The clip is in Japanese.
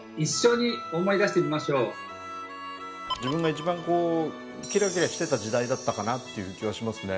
自分が一番こうキラキラしてた時代だったかなっていう気はしますね。